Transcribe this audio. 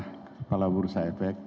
kepala bursa efek